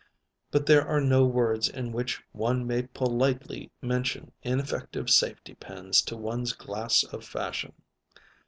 But there are no words in which one may politely mention ineffective safety pins to one's glass of fashion.